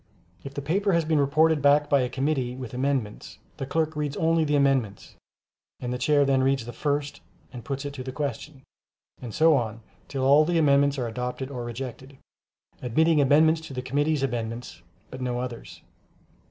If the paper has been reported back by a committee with amendments, the clerk reads only the amendments, and the Chairman then reads the first and puts it to the question, and so on till all the amendments are adopted or rejected, admitting amendments to the committee's amendments, but no others.